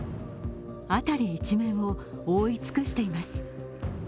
辺り一面を覆い尽くしています。